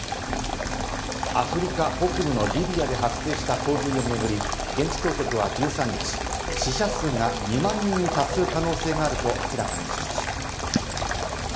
アフリカ北部のリビアで発生した洪水を巡り、現地当局は１３日、死者数が２万人に達する可能性があると明らかにしました。